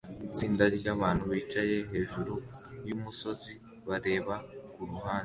Itsinda ryabantu bicaye hejuru yumusozi bareba kuruhande